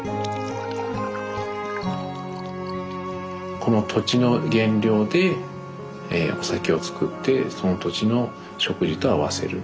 この土地の原料でお酒を造ってその土地の食事と合わせる。